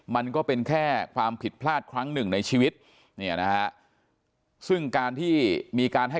มันก็เป็นแค่ความผิดพลาดครั้งหนึ่งในชีวิตเนี่ยนะฮะซึ่งการที่มีการให้